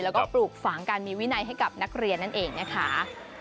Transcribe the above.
แล้วก็ปลูกฝังการมีวินัยให้กับนักเรียนนั่นเองนะคะ